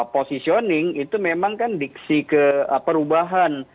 positioning itu memang kan diksi ke perubahan